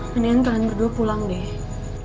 nenekin kalian berdua pulang deh